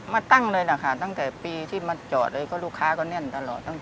มาตั้งเลยนะคะตั้งแต่ปีที่มาจอดเลยก็ลูกค้าก็แน่นตลอด